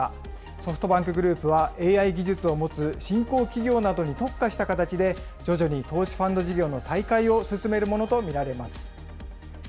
ソフトバンクグループはＡＩ技術を持つ新興企業などに特化した形で、徐々に投資ファンド事業の再開を進めるものと見られます。